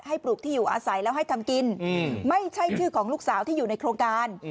ปลูกที่อยู่อาศัยแล้วให้ทำกินไม่ใช่ชื่อของลูกสาวที่อยู่ในโครงการ